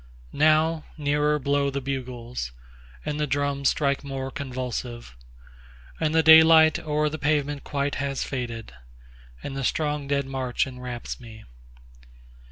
6Now nearer blow the bugles, And the drums strike more convulsive; And the day light o'er the pavement quite has faded, And the strong dead march enwraps me.